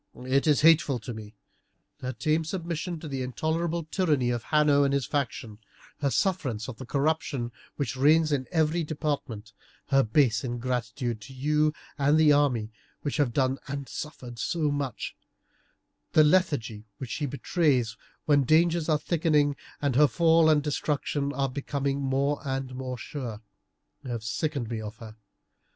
It is hateful to me. Her tame submission to the intolerable tyranny of Hanno and his faction, her sufferance of the corruption which reigns in every department, her base ingratitude to you and the army which have done and suffered so much, the lethargy which she betrays when dangers are thickening and her fall and destruction are becoming more and more sure, have sickened me of her.